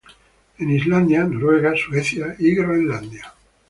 En Islandia, Noruega, Suecia y Groenlandia.